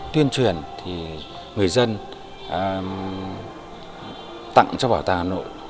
tuyên truyền thì người dân tặng cho bảo tàng hà nội